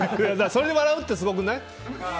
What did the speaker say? それで笑うってすごくない？